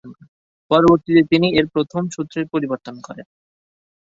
পরবর্তীতে তিনি এর প্রথম সূত্রের পরিবর্তন করেন।